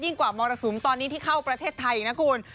กว่ามรสุมตอนนี้ที่เข้าประเทศไทยนะคุณ